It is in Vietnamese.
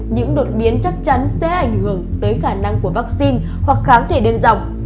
những đột biến chắc chắn sẽ ảnh hưởng tới khả năng của vaccine hoặc kháng thể đơn dọc